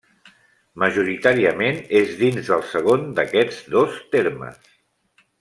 Majoritàriament és dins del segon d'aquests dos termes.